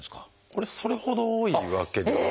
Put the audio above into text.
これそれほど多いわけでは。